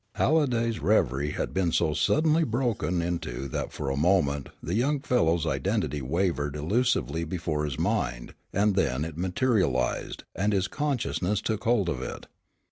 Halliday's reverie had been so suddenly broken into that for a moment, the young fellow's identity wavered elusively before his mind and then it materialized, and his consciousness took hold of it.